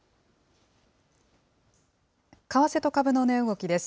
為替と株の値動きです。